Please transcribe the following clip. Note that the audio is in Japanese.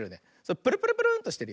プルプルプルンとしてるよ。